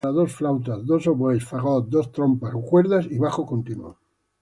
Está orquestada para dos flautas, dos oboes, fagot, dos trompas, cuerdas y bajo continuo.